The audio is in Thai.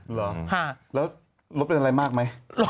เหรอแล้วรถเป็นอะไรมากไหม